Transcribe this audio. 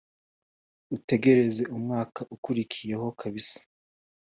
ategereza umwaka ukurikiyeho kabisa